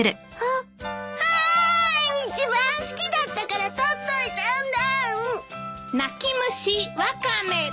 一番好きだったから取っといたんだ！